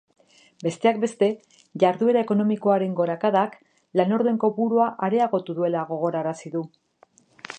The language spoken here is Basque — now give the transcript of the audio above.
Besteak beste, jarduera ekonomikoaren gorakadak lanorduen kopurua areagotu duela gogorarazi du.